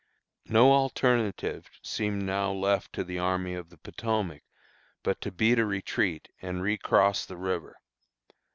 No alternative seemed now left to the Army of the Potomac but to beat a retreat and recross the river.